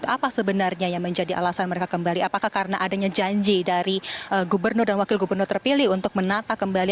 apa sebenarnya yang menjadi alasan mereka kembali apakah karena adanya janji dari gubernur dan wakil gubernur terpilih untuk menata kembali